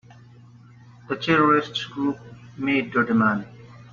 The terrorist group made their demand.